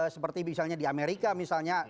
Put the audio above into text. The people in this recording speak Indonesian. seperti misalnya di amerika misalnya